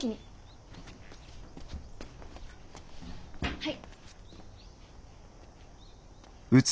はい。